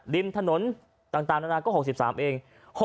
ริมถนนก็๖๓เอง